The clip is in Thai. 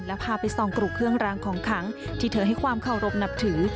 และพาไปส่องกรุเครื่องรางของขังที่เธอให้ความเคารพนับถือ